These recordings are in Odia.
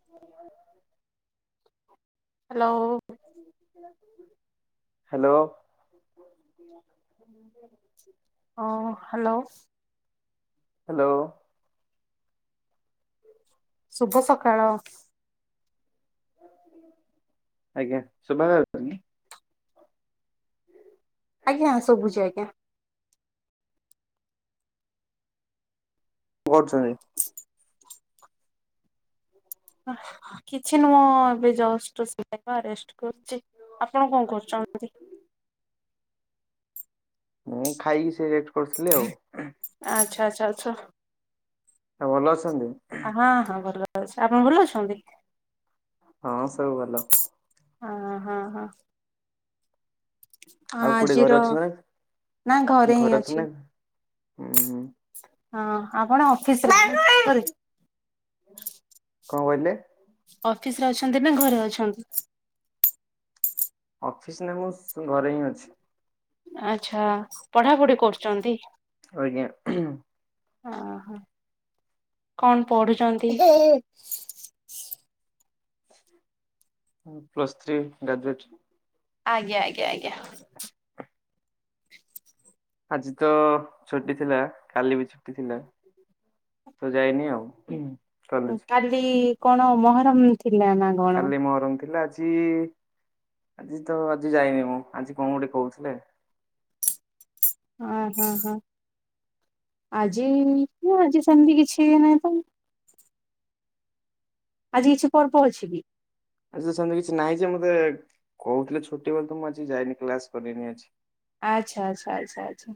[inaudible] ହ୍ୟାଲୋ। ହାଲୋ। ହଁ ହାଲୋ। ହାଲୋ। ଶୁଭ ସକାଳ। ଆଜ୍ଞା ଶୁଭା ଯାଉନି କି? ଆଜ୍ଞା ଶୁଭୁଛି ଆଜ୍ଞା। କଣ କରୁଛନ୍ତି। କିଛି ନୁହଁ ଏବେ ଜଷ୍ଟ ଶୋଇବା ରେଷ୍ଟ କରୁଛି ଆପଣ କଣ କରୁଛନ୍ତି? [inaudible] ମୁଁ ଖାଇକି ସେ ରେଟ କରିଥିଲି ଆଉ। ଆଛା। ହଁ ଭଲ ଅଛ। ହଁ ହଁ ଭଲ ଅଛି ଆପଣ ଭଲ ଅଛନ୍ତି? ହଁ ସବୁ ଭଲ। ହଁ ହଁ ହଁ। ଆଉ କୋଉଠି ଘରେ ଆଜିର ଅଛନ୍ତି ନା ଘରେ ହିଁ ଅଛି। ହୁଁ ହୁଁ ହଁ ଆପଣ ଅଫିସରେ କଣ କହିଲେ? ଅଫିସ ରେ ଅଛନ୍ତି ନା ଘରେ ଅଛନ୍ତି? ଅଫିସ ନେ ମୁଁ ଘରେ ହିଁ ଅଛି। ଆଛା ପଢାପଢି କରୁଛନ୍ତି। ଆଞା। ଓ ହୋ କଣ ପଢୁଛନ୍ତି? Plus three graduate. ଆଜ୍ଞା ଆଜ୍ଞା ଆଜ୍ଞା। ଆଜି ତ ଛୁଟି ଥିଲା କାଲି ବି ଛୁଟି ଥିଲା। ତ ଯାଇନି ଆଉ। କଲେଜ। କାଲି କଣ ମହରମ? ଥିଲା ନା କଣ? କାଲି ମହରମ୍ ଥିଲା ଆଜି ଆ ଆଜି ତ ଆଜି ଯାଇନି ମୁଁ ଆଜି କଣ ଗୋଟେ କହୁଥିଲେ? ଓ ହୋ ହୋ। ଆଜି ନା ଆଜି ସେମିତି କିଛି ନାହିଁ ତ। ଆଜି କିଛି ପର୍ ପହଛିିବି। ଆ ସେମିତି କିଛି ନାହିଁ ଯେ ମତେ କହୁଥିଲେ ଛୋଟି ବୋଲି ତ ମୁଁ ଆଜି ଯାଇନି କ୍ଲାସ କରନି। ଆଚ୍ଛା ଆଚ୍ଛା ଆଚ୍ଛା ଆଛା।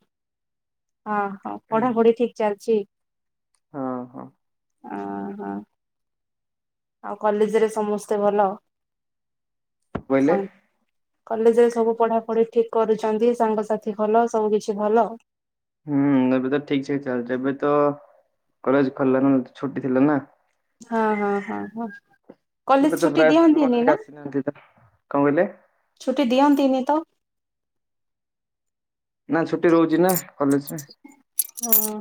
ହ ହଁ ପଢାପଢି ଠିକ ଚାଲିଛି? ହଁ ହଁ ଓ ହୋ। ଆଉ କଲେଜରେ ସମସ୍ତେ ଭଲ? କହିଲେ? ସାଙ୍ଗ କଲେଜରେ ସବୁ ପଢାପଢି ଠିକ କରୁଛନ୍ତି ସାଙ୍ଗସାଥି ଭଲ ସବୁ କିଛି ଭଲ? ହୁଁ ଏବେ ତ ଠିକ ଠିକ ଚାଲିଛି ଏବେ ତ କଲେଜ ଖଲିଲ ଛୁଟି ଥିଲା ନା। ହଁ ହଁ ହଁ ହଁ। କଲେଜ ଏବେ ତ ଛୁଟି ପ୍ରାୟ ସାଙ୍ଗମାନେ ଦିଅନ୍ତିନି ବି ନା ଆସିନାହାନ୍ତି ତ କଣ କହିଲେ? ଛୁଟି ଦିଅନ୍ତିନି ତ? ନା ଛୁଟି ରହୁଛି ନା। କଲେଜରେ ଓ ହୋ।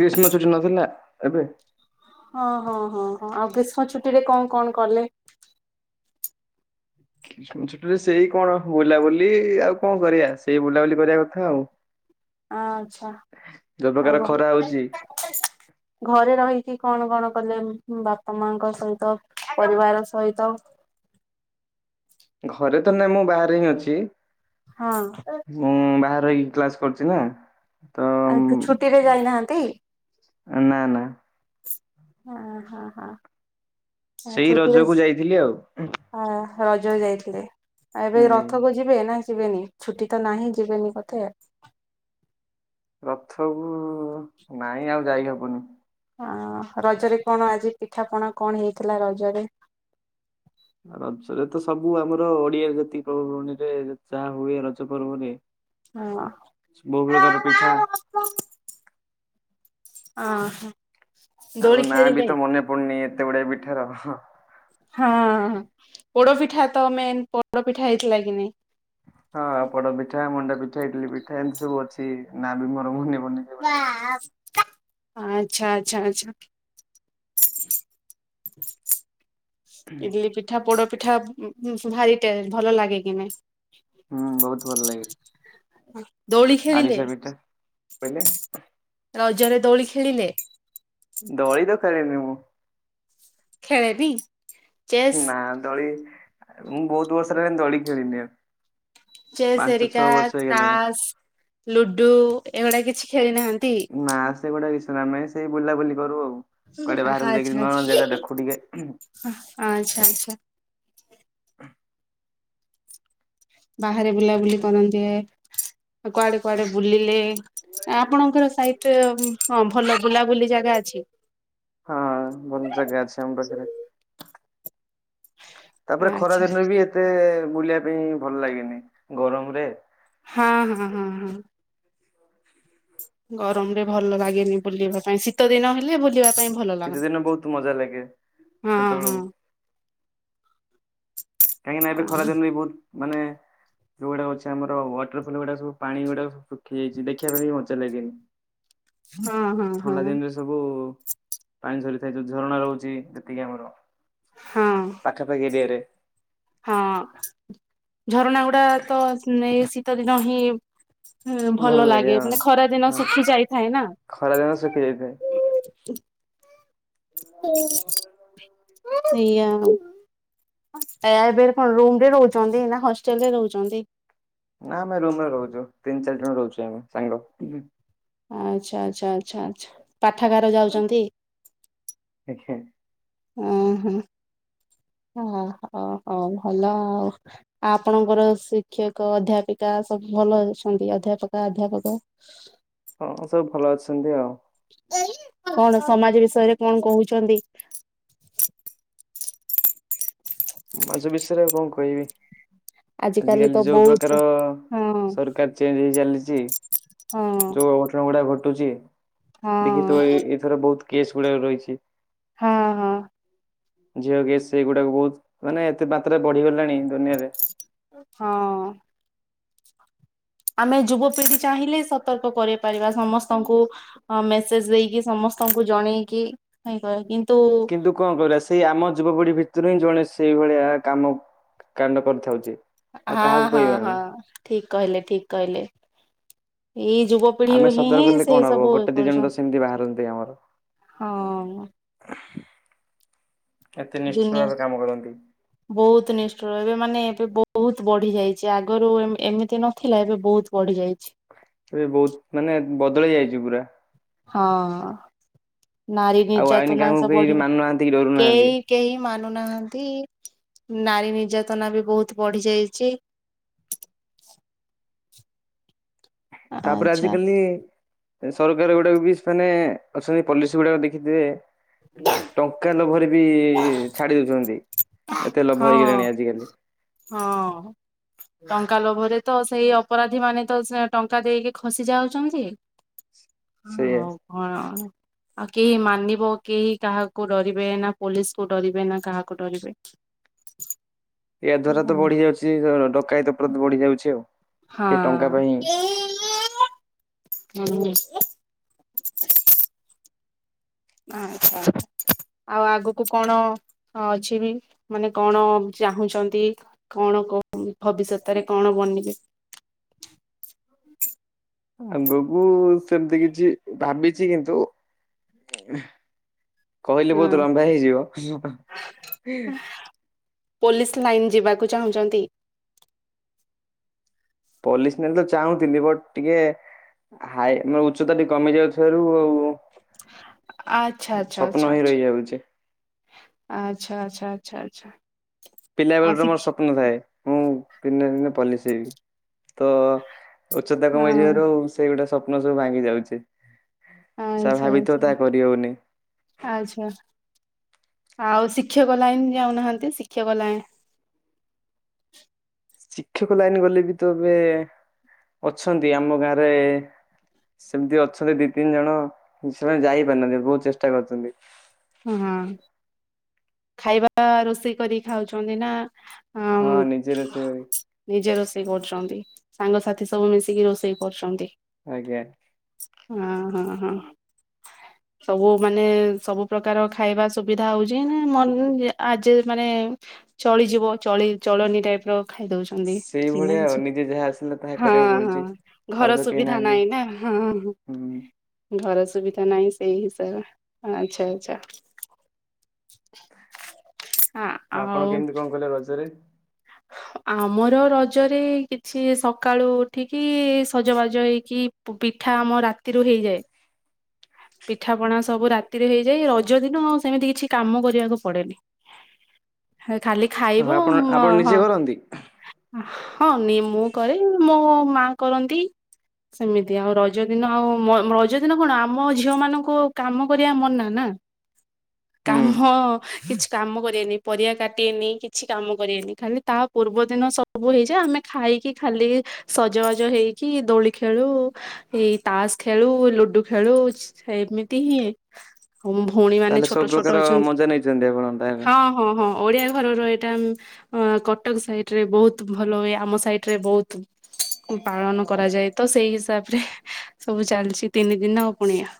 ଗ୍ରୀଷ୍ମ ଚଛୁଟି ନଥିଲା ଏବେ। ହଁ ହଁ ହଁ ହଁ ଆଉ ଗ୍ରୀଷ୍ମ ଛୁଟିରେ କଣ କଣ କଲେ? ଛୋଟରେ ସେଇ କଣ ବୁଲାବୁଲି ଆଉ କଣ କରିବା ସେଇ ବୁଲାବୁଲି କରିବା କଥା ଆଉ। ଆଚ୍ଛା। ଯୋଉ ଆ ପ୍ରକାର ଖରା ହଉଛି ଘରେ ରହିଛିି କଣ କଣ? କଲେ ବାପା ମାଙ୍କ ସହିତ ପରିବାର ସହିତ। ଘରେ ତ ନାଇଁ ମୁଁ ବାହାରେ ହିଁ ଅଛି ହଁ ମୁଁ ବା କି କ୍ଲାସ କରୁଛି ନା। ତ ଆଉ ଛୁଟି ରେ ଯାଇନାହାନ୍ତି? ନା ନା। ହଁ ହଁ ହଁ ସେଇ ଛୋଟି ତ ରଜକୁ ଯାଇଥିଲି ଆଉ। ଆ ରଜ ଯାଇଥିଲେ ଆଉ ଏବେ ହୁଁ ରଥକୁ ଯିବେ? ଯିବେନି ଛୁଟି ତ ନାହିଁ ଯିବେନି କୋଥେ? ରଥକୁୁ ନାଇଁ ଆଉ ଯାଇ ହବୁନି। ଆ ରଜରେ କଣ ଆଜି ପିଠାପଣା କଣ ହେଇଥିଲା ରଜରେ? ରଜରେ ତ ସବୁ ଆମର ଓଡିଆ ଜାତି ପର୍ବବାଣୀରେ ଯାହା ହୁଏ ରଜ ପର୍ବରେ। ହଁ। ବହୁ ହ ପ୍ରକାର ପିଠା ହୋ। ଆଉ ନା ବି ତ ମନେ ପଡୁନି ଏତେ ଗୁଡଆ ବିଠାର। ହଁ ପୋଡପିଠା ତ ମେନ୍ ପୋଡପିଠା ହେଇଥିଲା କି ନାଇଁ? ହଁ ଆଉ ପଡ ପିଠା ମଣ୍ଡା ପିଠା ଇଡଲି ପିଠା ଏମିତି ସବୁ ଅଛି ନା ବି ମୋର ମନିନି ଆଚ୍ଛା ଆଚଛା ଆଚଛା ହ [unintelligible] ଇଡଲି ପିଠା ପୋଡ ପିଠା ଭାରି ଟେ ଭଲ ଲାଗେ କି ନାଇ ହୁଁ ବହୁତ ଭଲ ଲାଗେ ଦୋଳି ଖେଳିଲେ ଆରିସା ପିଠା। କହିଲେ ରଜରେ ଦୋଳି ଖେଳିଲେ ଦଳି ଦକାରିନି ମୁଁ ଖେଳେନି ଚେସ୍ ନା ଦଳି ମୁଁ ବହୁତ ବର୍ଷ ହେଲା ଦୋଳି ଖେଳିିନି ଆଉ ଚେସ୍ ପାଞ୍ଚ ଏରିକା ଛଅ ବର୍ଷ ହେଇଗଲାଣି। ଚାସ୍ ଲୁଡୁ ଏଗୁଡା କିଛି ଖେଳି ନାହାନ୍ତି ମା ସେ ଗୁଟେ କିଶନାମେ ସେଇ ବୁଲାବୁଲି କରୁ ଆଉ କୁଆଡେ ବାହାରକୁ ଯାଇକି ଆଛାଛ ନୂଆ ନୂଆ ଜାଗା ଦେଖୁ ଟିକେ। ଆଚ୍ଛା ଆଚଛା [inaudible] ବାହାରେ ବୁଲାବୁଲି କରନ୍ତି କୁଆଡେ କୁଆଡେ ବୁଲିଲେ ଆପଣଙ୍କର ସହିତ ହଁ ଭଲ ବୁଲାବୁଲି ଜାଗା ଅଛି। [inaudible] ବନ୍ଦ ଜାଗା ଅଛି ଆମ ପାଖରେ। ତାପରେ ଆଚ୍ଛା। ଖରାଦିନରେ ବି ଏତେ ବୁଲିବା ପାଇଁ ଭଲ ଲାଗେନି ଗରମରେ ହଁ ହଁ ହଁ ହଁ ଗରମରେ ଭଲ ଲାଗେନି ବୁଲିବା ପାଇଁ ଶୀତ ଦିନ ହେଲେ ବୁଲିବା ପାଇଁ ଭଲ ଶୀତ ଲାଗ ଦିନ ବହୁତ ମଜା ଲାଗେ [inaudible] ହଁ ହଁ ସେତେବେଳକୁ କାହିଁକି ନା ଏବେ ହଁ। ଖରା ଦିନ ବି ବହୁତ ମାନେ ଯୋଉ ଗୁଡା ଅଛି ଆମର ୱାଟରଫଲ ଗୁଡା ସବୁ ପାଣି ଗୁଡାକ ସ ଶୁଖି ଯାଇଛି ଦେଖିବା ପାଇଁ ବି ମଜା ଲାଗେନି। ହଁ ହଁ ହଁ ଥଣ୍ଡା ଦିନରେ ସବୁ ପାଣି ଝରିଥାଏ ଯୋଉ ଝରଣା ରହୁଛି ଯେତିକି ଆମର ହଁ ପାଖାପାଖି ଏରିଆରେ ହଁ ଝରଣା ଗୁଡା ତ ଏ ଶୀତ ଦିନ ହିଁ ହୁଁ ଭଲ ଲାଗେ ମାନେ ଖରା ଦିନ ହଁ ଶିଖି ଯାଇଥାଏ ନା ଖରାଦିନ ଶୁଖି ଯାଇଥାଏ। ହ [unintelligible] [inaudible] ସେଇଆ ଆଉ ଏ ଏବେ କଣ ରୁମ ରେ ରହୁଛନ୍ତି ନା ହଷ୍ଟେଲରେ ରହୁଛନ୍ତି। ନା ଆମେ ରୁମରେ ରହୁଛୁ ତିନି ଚାରି ଜଣ ରହୁଛୁ ଆମେ ସାଙ୍ଗ ଆଚ୍ଛା ଆଚ୍ଛା ଆଚ୍ଛା ଆଚଛା ପାଠାଗାର ଯାଉଛନ୍ତି। ଦେଖ ହଁ ହଁ ହ ହ ହଉ ଭଲ ଆଉ ଆପଣଙ୍କର ଶିକ୍ଷକ ଅଧ୍ୟାପିକା ସବୁ ଭଲ ଅଛନ୍ତି ଆଉ ଅଧ୍ୟାପକ ଅଧ୍ୟାପକ ହଁ ସବୁ ଭଲ ଅଛନ୍ତି ଆଉ ୟରେ କଣ କହୁଛନ୍ତି ମଝ ବିଷୟରେ ଆଉ କଣ କହିବି ଆଜି ଆଜିକାଲି କାଲି ତ ଯୋଉ ବହୁତ ପ୍ରକାର ହଁ ସରକାର ଚେଞ୍ଜ ହେଇ ଚାଲିଛି ହଁ ଯୋଉ ଅଘଟଣା ଗୁଡା ଘଟ ଟୁଛି ଦେଖି ତୁ ହଁ ଏଥର ବହୁତ କେସ୍ ଗୁଡା ରହିଛି ହଁ ହଁ ଝିଅ କି ସେଇଗୁଡାକ ବହୁତ ମାନେ ଏତେ ମାତ୍ରାରେ ବଢିଗଲାଣି ଆଉ। ହଁ। ଆମେ ଯୁବପିଢି ଚାହିଁଲେ ସତର୍କ କର ପାରିବା ସମସ୍ତଙ୍କୁ ମେସେଜ ଦେଇକି ସମସ୍ତ ସମସ୍ତଙ୍କୁ ଜଣେଇକି କିନ୍ତୁ କଣ କହ ସେଇ ଆମ ଯୁବପିଢି ଭିତରୁ ହିଁ ଜଣେ ସେଇଭଳିଆ କାମ କାଣ୍ଡ କରିଥାଉଛି। ଆଉ ହଁ କାହାକୁ ହଁ କହିବା ହଁ ଆମେ ଠିକ କହିଲେ ଠିକ କହିଲେ। ଏଇ ଯୁବପିଢି ଆମେ ହିଁ ସତର୍କ ହିଁ ହେଲେ ସେ କଣ ହବ ସବୁ ଇ ଗୋଟେ ଦି ଜଣ ତ ସେମିତି ବାହାରନ୍ତି ଆମର କରୁଛନ୍ତି। ହଁ। ଏତେ ନିଷ୍ଠୁର ଦୁନିଆ ଭାବେ କାମ କରନ୍ତି। ବହୁତ ନିଷ୍ଠୁର ଏବେ ମାନେ ଏବେ ବହୁତ ବଢି ଯାଇଛି ଆଗରୁ ଏମିତି ନଥିଲା ଏବେ ବହୁତ ବଢି ଯାଇଛି। ଏବେ ବହୁତ ମାନେ ବଦଳି ଯାଇଛି ପୁରା ହଁ। ନାରୀ ଆଉ ଆଇନ ନିର୍ଯାତନା କାହାକୁ ସ କେହି ବଢିବା ମାନୁନାହାନ୍ତି କି ଡରୁନାହାନ୍ତି। କେହି କେହି ମାନୁନାହାନ୍ତି। ନାରୀ ନିର୍ଯାତନା ବି ବହୁତ ବଢି ଯାଇଛି। ତାପରେ ଆଚ୍ଛା। ଆଜିିକାଲି ସରକାର ଗୁଡାକ ବି ସୋନେ ଅଛନ୍ତି ପଲିସି ଗୁଡାକ ଦେଖିଦେବେ। ଟଙ୍କା ଲୋଭରେ ବି ଛାଡି ଦଉଛନ୍ତି। ଏତେ ଲୋଭ ହଁ ହେଇଗଲାଣି ଆଜିକାଲି। ହଁ। ଟଙ୍କା ଲୋଭରେ ତ ସେଇ ଅପରାଧୀ ମାନେ ତ ଟଙ୍କା ଦେଇକି ଖସି ଯାଉଛନ୍ତି। ସେଇଆ ହଉ କଣ। ଆଉ କେହି ମାନିବ କେହି କାହାକୁ ଡରିବେ ନା ପୋଲିସକୁ ଡରିବେ ନା କାହାକୁ ଡରିବେ? [inaudible] ଏୟା ଦ୍ୱାରା ତ ହଁ। ବଢି ଯାଉଛି ଡକାୟତ [unintelligible] ବଢି ଯାଉଛି ଆଉ ସେ ଟଙ୍କା ପାଇଁ ହଁ। ହୁଁ। ଆଛା। ଆଉ ଆଗକୁ କଣ ଅଛି ବି ମାନେ କଣ ଚାହୁଁଛନ୍ତି କଣ? ଭବିଷ୍ୟତରେ କଣ ବନିବେ? ଆଗକୁ ସେମିତି କିଛି ଭାବିଛି କିନ୍ତୁ? କହିଲେ ବହୁତ ହଁ ଲମ୍ବା ହେଇଯିବ। ପୋଲିସ ଲାଇନ୍ ଯିବାକୁ ଚାହୁଁଛନ୍ତି? ପୋଲିସ ଲାଇନ୍ ତ ଚାହୁଁଥିଲି ବଟ ଟିକେ ହାଇଟ ମ ଉଚ୍ଚତାଟି କମି ଯାଉଥିବାରୁ ଆଉ ଆଚ୍ଛା ଆଚ୍ଛା ଆଚ୍ଛା ସ୍ୱପ୍ନ ହେଇ ରହିଯାଉଛି। ଆଚ୍ଛା ଆଚ୍ଛା ଆଚ୍ଛା ଆଛା। ପିଲାବେଳରେ ମୋର ସ୍ୱପ୍ନ ଥାଏ। ମୁଁ ଦିନେ ଦିନେ ପଲିସ ହେବି ତ ଉଚ୍ଚତା ହଁ କମେଇଯିବାରୁ ସେଇ ଗୋଟେ ସ୍ୱପ୍ନ ସବୁ ଭାଙ୍ଗି ଯାଉଛି। ଯାହା ଆଚ୍ଛା ଭାବିଥିବ ଆଛା ତାହା କରିହଉନି। ଆଚ୍ଛା। ଆଉ ଶିକ୍ଷକ ଲାଇନ ଯାଉନାହାନ୍ତି। ଶିକ୍ଷକ ଲାଇ [inaudible] ଶିକ୍ଷକ ଲାଇନ ଗଲେ ବି ତ ଏବେ ଅଛନ୍ତି ଆମ ଗାଁରେ ସେମିତି ଅଛନ୍ତି ଦି ତିନି ଜଣ ସେମାନେ ଯାଇ ପାରୁନାହାନ୍ତି ବହୁତ ଚେଷ୍ଟା କରୁଛନ୍ତି। ହ ହଁ ଖାଇବା ରୋଷେଇ କରି ଖାଉଛନ୍ତି ନା ହଁ ନିଜର ସେ ନିଜେ ରୋଷେଇ କରୁଛନ୍ତି? ସାଙ୍ଗସାଥି ସବୁ ମିଶିକି ରୋଷେଇ କରୁଛନ୍ତି। ଆଜ୍ଞା। ହଁ ହଁ ହଁ ସବୁ ମାନେ ସବୁ ପି ପ୍ରକାର ଖାଇବା ସୁବିଧା ହଉଛି ନା ମ ମାନେ ଚଳିଯିବ ଚଳି ତଳନୀ ଟାଇପ ର ଖାଇଦଉଛନ୍ତି। ସେଇଭଳିଆ ଆଉ ନିଜେ ଯାହା ଆସିଲା ତାହା ହଁ କରିବାକୁ ପଡୁଛି ହଁ ଆଉ ଘର ତ କେହି ସୁବିଧା ନାହାନ୍ତି। ନାହିଁ ନା ହଁ ହୁଁ ଘର ସୁ ସୁବିଧା ନାହିଁ ସେଇ ହିସାବରେ ଆଚଛା ଆଚଛା। ଆପଣ କେମିତି କଣ କଲେ ରଜରେ? ହଁ। ଆମର ରଜରେ କିଛି ସକାଳୁ ଉଠିକି ସଜବାଜ ହେଇକି ପିଠା ଆମ ରାତିରୁ ହେଇଯାଏ। ପିଠାପଣା ସବୁ ରାତିରେ ହେଇଯାଏ। ରଜ ଦିନ ଆଉ ସେମିତି କିଛି କାମ କରିବାକୁ ପଡେନି। ଖାଲି ଖାଇବୁ ଆପଣ ଆପଣ ନିଜେ ହଁ କରନ୍ତି? ହଁ ନି ମୁଁ କରେ ମୋ ମା କରନ୍ତି ସେମିତି ଆଉ ରଜ ଦିନ ଆଉ ରଜ ଦିନ କଣ ଆମ ଝିଅ ମାନଙ୍କୁ କାମ କରିବା ମନା ନା ହୁଁ। କାମ କିଛି କାମ କରିବେନି ପରିବା କାଟିଏେନି କିଛି କାମ କରିବେନି ଖାଲି ତା ପୂର୍ବ ଦିନ ସବୁ ହେଇଯାଏ ଆମେ ଖାଇକି ଖାଲି ସଜବାଜ ହେଇକି ଦୋଳି ଖେଳୁ ଏଇ ତାସ ଖେଳୁ ଲୁଡୁ ଖେଳୁ ଏମିତି ହିଁ ଆଉ ଭଉଣୀ ମାନେ ତାହେଲେ ସବୁ ଛୋଟ ଛୋଟ ପ୍ରକାର ଅଛନ୍ତି ମଜା ନେଇଛନ୍ତି ଆପଣ ତାହେଲେ ହଁ ହଁ ହଁ ଓଡିଆ ଘରର ଏଇଟା କଟକ ସାଇଡ ରେ ବହୁତ ଭଲ ହୁଏ ଆମ ସାଇଟ ରେ ବହୁତ ପାଳନ କରାଯାଏ ତ ସେଇ ହିସାବ ରେ ସବୁ ଚାଲିଛି ତିନି ଦିନ ଆଉ ପୁଣିଆ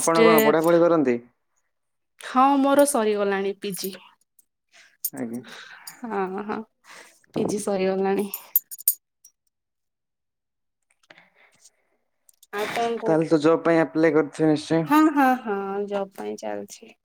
ଆପଣ କଣ ପଢାପଢି କରନ୍ତି? ହଁ ମୋ ସରିଗଲାଣି ପିଜି ଆଜ୍ଞା ହଁ ହଁ ପିଜି ସରିଗଲାଣି ଆଉ କଣ କହୁ ତାହେଲେ ତ ଜବ୍ ପାଇଁ ଆପ୍ଲ କରି ହଁ ହଁ ହଁ ଜବ ପାଇଁ ଚାଲଛି